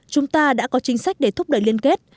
chúng ta đã có chính sách để thúc đẩy liên kết